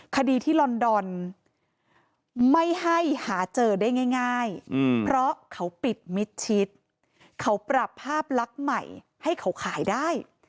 คดีที่ลอนดอนไม่ให้หาเจอได้ง่ายเพราะเขาปิดมิดชิดเขาปรับภาพลักษณ์ใหม่ให้เขาขายได้